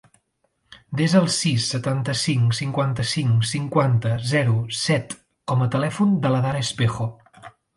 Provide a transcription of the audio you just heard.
Desa el sis, setanta-cinc, cinquanta-cinc, cinquanta, zero, set com a telèfon de l'Adara Espejo.